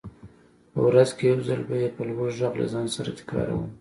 په ورځ کې يو ځل به يې په لوړ غږ له ځان سره تکراروم.